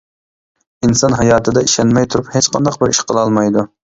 ئىنسان ھاياتىدا ئىشەنمەي تۇرۇپ ھېچ قانداق بىر ئىش قىلالمايدۇ.